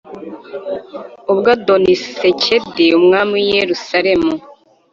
Ubwo Adonisedeki umwami w i Yerusalemu